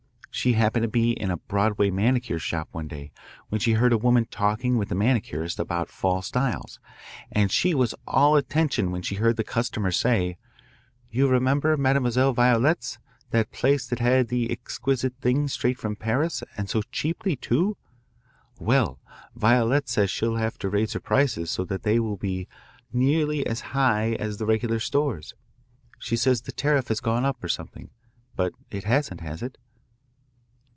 She happened to be in a Broadway manicure shop one day when she heard a woman talking with the manicurist about fall styles, and she was all attention when she heard the customer say, 'You remember Mademoiselle Violette's that place that had the exquisite things straight from Paris, and so cheaply, too? Well, Violette says she'll have to raise her prices so that they will be nearly as high as the regular stores. She says the tariff has gone up, or something, but it hasn't, has it?"